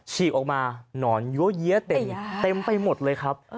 ฉีกออกมาหนอนยั้วเยี้ยเต็มไปหมดเลยครับ